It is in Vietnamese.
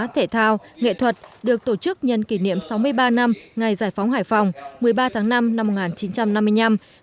thể thao nghệ thuật được tổ chức nhân kỷ niệm sáu mươi ba năm ngày giải phóng hải phòng một mươi ba tháng năm năm một nghìn chín trăm năm mươi năm